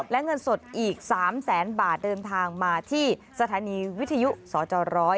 และเงินสดอีก๓แสนบาทเดินทางมาที่สถานีวิทยุสจ๑๐